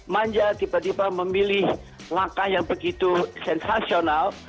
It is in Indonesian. manja tiba tiba memilih langkah yang begitu sensasional